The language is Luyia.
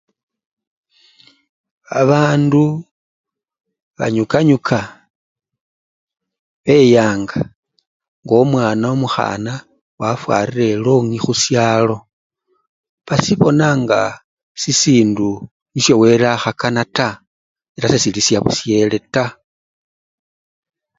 Abandu banyukanyuka beyanga ngo omwana omukhana wafwarire elongi khusyalo, basibona nga sisindu nisyo wele akhakana taa, ela sesili syabusyele taa.